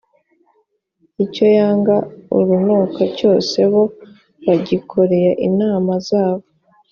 icyo yanga urunuka cyose, bo bagikoreye imana zabo: